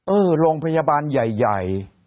เออโรงพยาบาลใหญ่